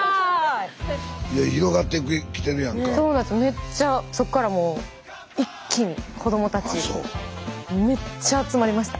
めっちゃそっからもう一気に子どもたちめっちゃ集まりました。